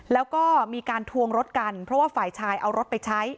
แล้วก็มีการทวงรถกันเพราะว่าฝ่ายชายเอารถไปใช้